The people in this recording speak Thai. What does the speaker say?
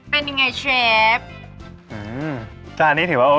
เป็นอย่างไรครับ